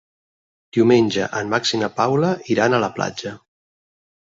Diumenge en Max i na Paula iran a la platja.